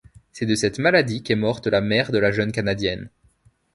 C'est de cette maladie qu'est morte la mère de la jeune canadienne.